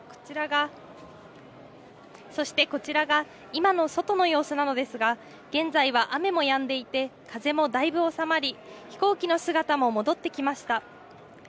そして、こちらが今の外の様子なのですが、現在は雨もやんでいて、風もだいぶ収まり、飛行機の姿も戻ってきました。